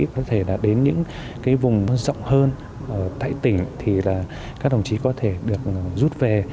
có thể là đến những cái vùng rộng hơn tại tỉnh thì là các đồng chí có thể được rút về